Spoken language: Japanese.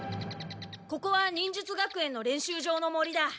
ここは忍術学園の練習場の森だ。